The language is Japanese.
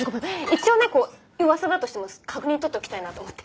一応ね噂だとしても確認取っておきたいなと思って。